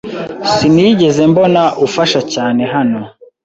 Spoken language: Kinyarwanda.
Sinigeze mbona ufasha cyane hano.